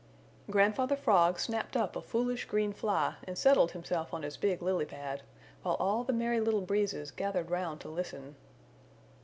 Grandfather Frog snapped up a foolish green fly and settled himself on his big lily pad, while all the Merry Little Breezes gathered round to listen.